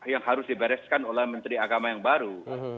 yang harus dibereskan oleh menteri agama yang baru